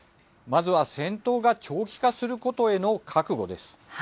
まずは戦闘が長期化することへの覚悟です。